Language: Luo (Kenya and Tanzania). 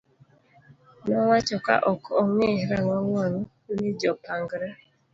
nowacho ka ok ong'i rang'ong wang' ni jopangre